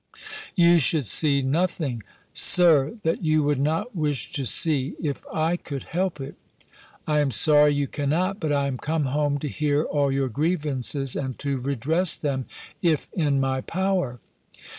"You should see nothing. Sir, that you would not wish to see, if I could help it." "I am sorry you cannot. But I am come home to hear all your grievances, and to redress them, if in my power."